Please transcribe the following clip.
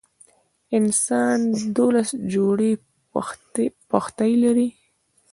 انسان دولس جوړي پښتۍ لري.